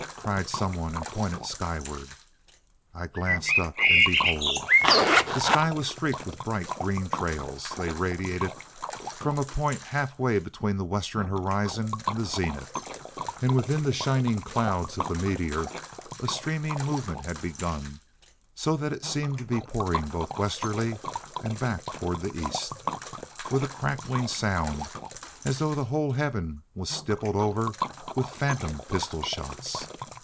cried some one, and pointed skyward. I glanced up, and behold! The sky was streaked with bright green trails. They radiated from a point halfway between the western horizon and the zenith, and within the shining clouds of the meteor a streaming movement had begun, so that it seemed to be pouring both westwardly and back toward the east, with a crackling sound, as though the whole heaven was stippled over with phantom pistol shots.